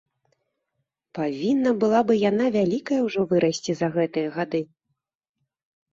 Павінна была бы яна вялікая ўжо вырасці за гэтыя гады.